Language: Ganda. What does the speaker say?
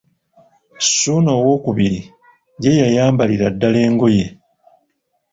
Ssuuna II ye yayambalira ddala engoye.